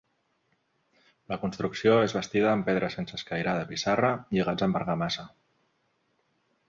La construcció és bastida amb pedra sense escairar de pissarra, lligats amb argamassa.